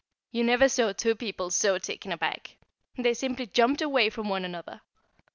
You never saw two people so taken aback. They simply jumped away from one another. Mr.